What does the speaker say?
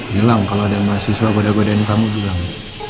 bilang kalau ada mahasiswa gode godenin kamu bilang